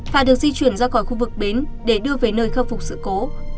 và được di chuyển ra khỏi khu vực bến để đưa về nơi khắc phục sự cố